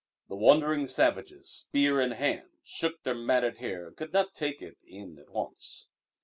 The wondering savages, spear in hand, shook their matted hair and could not take it in at once.